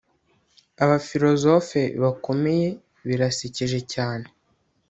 Abafilozofe bakomeye birasekeje cyane